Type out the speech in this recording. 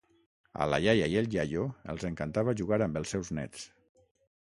A la iaia i el iaio els encantava jugar amb els seus nets.